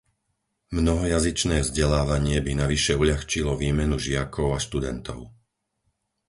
Mnohojazyčné vzdelávanie by navyše uľahčilo výmenu žiakov a študentov.